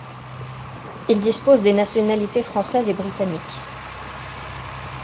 Il dispose des nationalités française et britannique.